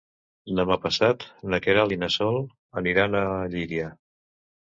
Demà passat na Queralt i na Sol aniran a Llíria.